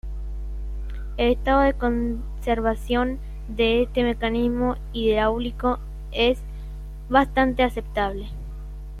El estado de conservación de este mecanismo hidráulico es bastante aceptable.